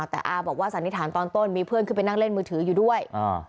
แต่อาบอกว่าสันนิษฐานตอนต้นมีเพื่อนขึ้นไปนั่งเล่นมือถืออยู่ด้วย